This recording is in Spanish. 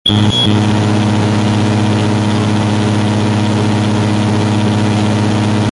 Francia, como país anfitrión, se clasificó automáticamente.